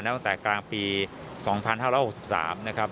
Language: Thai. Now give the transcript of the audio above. ตั้งแต่กลางปี๒๕๖๓นะครับ